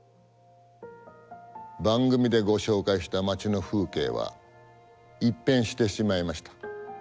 番組でご紹介した街の風景は一変してしまいました。